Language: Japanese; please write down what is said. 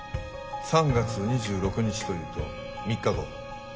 ３月２６日というと３日後。